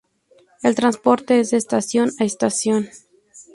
El transporte es de estación a estación.